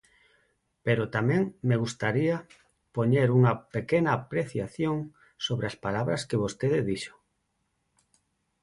Pero tamén me gustaría poñer unha pequena apreciación sobre as palabras que vostede dixo.